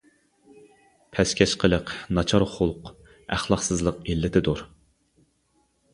پەسكەش قىلىق، ناچار خۇلق، ئەخلاقسىزلىق ئىللىتىدۇر.